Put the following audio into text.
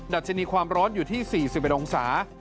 ัชนีความร้อนอยู่ที่๔๑องศา